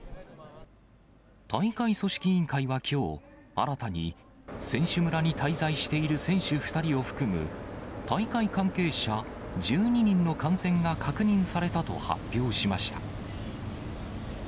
大会組織委員会はきょう、新たに、選手村に滞在している選手２人を含む大会関係者１２人の感染が確認されたと発表しました。